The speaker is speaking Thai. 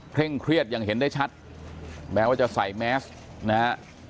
เครียดอย่างเห็นได้ชัดแม้ว่าจะใส่แมสนะฮะ